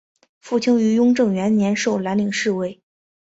傅清于雍正元年授蓝翎侍卫。